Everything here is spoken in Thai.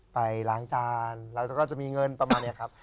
ไปล้างจานแล้วก็จะมีเงินประมาณนี้ครับ